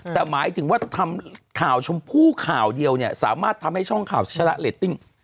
แต่หมายถึงว่าทำข่าวชมพู่ข่าวเดียวเนี่ยสามารถทำให้ช่องข่าวชนะเรตติ้ง